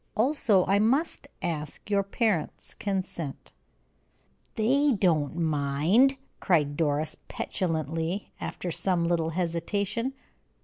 Also I must ask your parents' consent." "They don't mind!" cried Doris, petulantly, after some little hesitation.